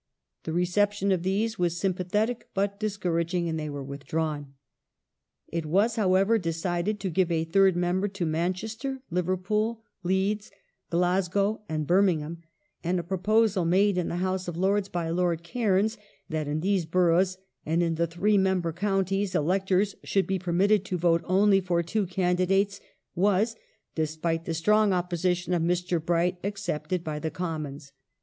The reception of these was sympathetic but discourag ing and they were withdrawn. It was, however, decided to give a third member to Manchester, Liverpool, Leeds, Glasgow, and Bu'mingham, and a proposal, made in the House of Lords by Lord Cairns, that in these boroughs and in the three member counties ^ electors should be permitted to vote only for two candidates was, despite the strong opposition of Mr. Bright, accepted by the Commons.